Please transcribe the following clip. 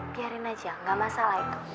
biarin aja gak masalah itu